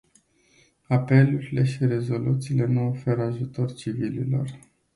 Apelurile și rezoluțiile nu oferă ajutor civililor.